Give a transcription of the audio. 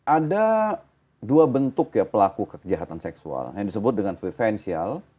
ada dua bentuk ya pelaku kejahatan seksual yang disebut dengan preferensial